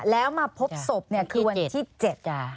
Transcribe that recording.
แล้วมาพบศพเนี่ยคือวันที่เจ็ด